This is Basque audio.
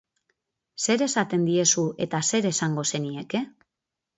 Zer esaten diezu eta zer esango zenieke?